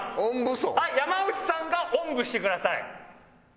山内さんがオンブしてください。